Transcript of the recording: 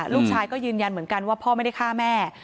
ลูกชายก็ยืนยันเหมือนกันว่าพ่อไม่ได้ฆ่าแม่